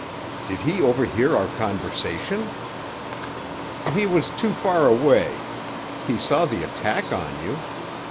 "Did he overhear our conversation?" "He was too far away. He saw the attack on you.